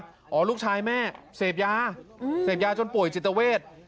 อ๋อลูกชายแม่เสพยาเสพยาจนป่วยจิตเวท